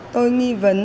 tôi nghi vấn